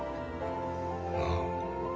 ああ。